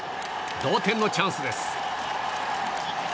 同点のチャンスです。